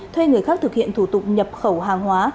thuê người khác thực hiện thủ tục nhập khẩu hàng hóa